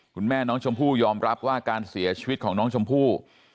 คุณแม่น้องชมพู่ยอมรับว่าการเสียชีวิตของน้องชมพู่